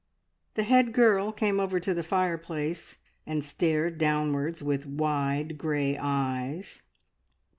The head girl came over to the fireplace, and stared downwards with wide grey eyes.